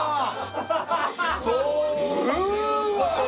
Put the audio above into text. うわ！